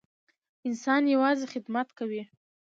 انسان یوازې خدمت کوي.